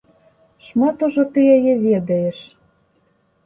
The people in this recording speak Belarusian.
Шмат ужо ты яе ведаеш.